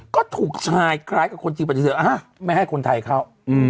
ก็ถูกชายคล้ายกับคนจีนปฏิเสธไม่ให้คนไทยเข้า